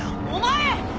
お前！